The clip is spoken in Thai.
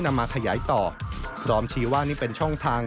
นำมาขยายต่อพร้อมชี้ว่านี่เป็นช่องทาง